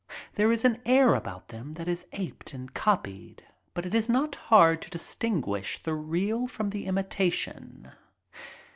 There is an air about them that is aped and copied, but it is not hard to distinguish the real from the imitation.